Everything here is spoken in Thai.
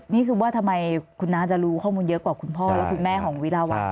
นี่คือว่าทำไมคุณน้าจะรู้ข้อมูลเยอะกว่าคุณพ่อและคุณแม่ของวิราวัตร